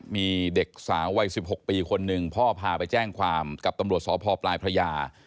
มีเด็กสาววัย๑๖ปีคนหนึ่งพ่อพาไปแจ้งความกับตำรวจสพปลายพระยา